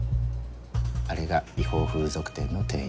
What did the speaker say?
あれが違法風俗店の店員